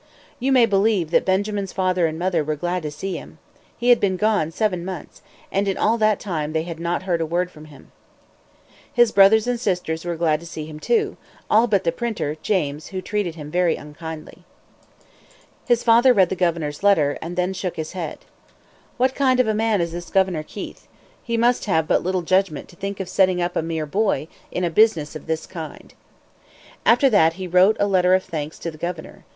You may believe that Benjamin's father and mother were glad to see him. He had been gone seven months, and in all that time they had not heard a word from him. His brothers and sisters were glad to see him, too all but the printer, James, who treated him very unkindly. His father read the governor's letter, and then shook his head. "What kind of a man is this Governor Keith?" he asked. "He must have but little judgment to think of setting up a mere boy in business of this kind." After that he wrote a letter of thanks to the governor.